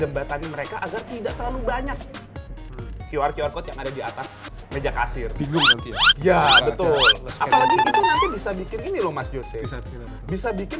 banyak qr qr code yang ada di atas meja kasir bingung ya betul bisa bikin ini loh mas bisa bikin